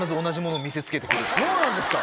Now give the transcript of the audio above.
そうなんですか。